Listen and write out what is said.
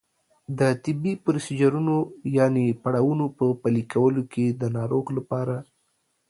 د طبي پروسیجرونو یانې پړاوونو په پلي کولو کې د ناروغ لپاره